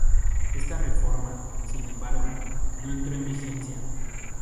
Esta reforma, sin embargo, no entró en vigencia.